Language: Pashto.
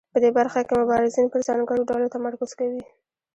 په دې برخه کې مبارزین پر ځانګړو ډلو تمرکز کوي.